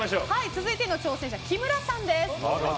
続いての挑戦者キムラさんです。